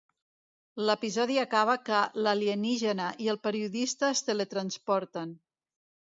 L'episodi acaba que l'alienígena i el periodista es teletransporten.